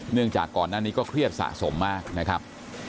เนื่องจากก่อนนั้นนี้ก็เครียดสะสมมากนะครับ